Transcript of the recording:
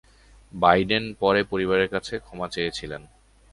Biden পরে পরিবারের কাছে ক্ষমা চেয়েছিলেন।